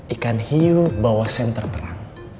ikan hiu bawa senter perang